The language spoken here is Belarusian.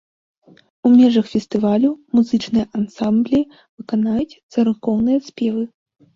У межах фестывалю музычныя ансамблі выканаюць царкоўныя спевы.